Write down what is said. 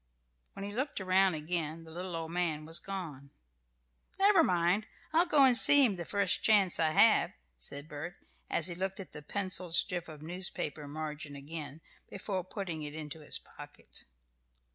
When he looked around again the little old man was gone. "Never mind, I'll go and see him the first chance I have," said Bert, as he looked at the pencilled strip of newspaper margin again before putting it into his pocket.